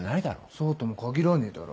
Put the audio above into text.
そうとも限らねえだろ。